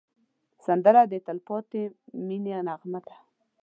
سندره د تل پاتې مینې نغمه ده